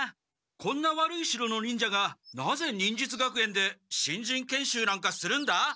こんな悪い城の忍者がなぜ忍術学園で新人研修なんかするんだ！？